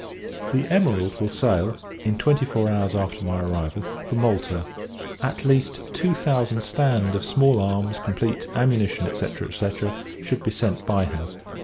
The Emerald will sail in twenty four hours after my arrival for Malta; at least, two thousand stand of small arms complete, ammunition, &c. &c. should be sent by her.